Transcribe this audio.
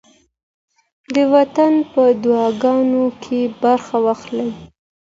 د وطن په دعاګانو کې برخه واخلئ.